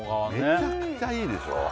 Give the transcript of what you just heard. めちゃくちゃいいでしょ